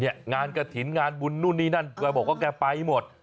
งานกระถิ่นงานบุญนู่นนี่นั่นแกบอกว่าแกไปหมด